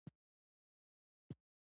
سترګې يې سورې وې.